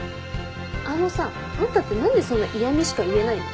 あのさあんたって何でそんな嫌みしか言えないの？